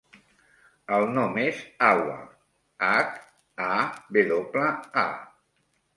El nom és Hawa: hac, a, ve doble, a.